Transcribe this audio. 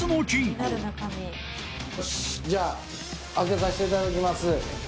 じゃあ。